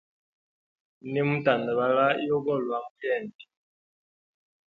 Nimu tandabala yogolwa mu yende.